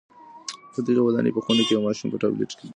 د دغي ودانۍ په خونه کي یو ماشوم په ټابلېټ کي درس لولي.